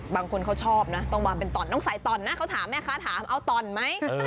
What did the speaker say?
บางคนเขาชอบนะต้องวางเป็นต่อนต้องใส่ต่อนนะเขาถามแม่ค้าถามเอาต่อนไหม